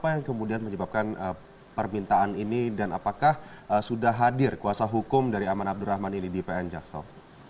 apa yang kemudian menyebabkan permintaan ini dan apakah sudah hadir kuasa hukum dari aman abdurrahman ini di pn jaksal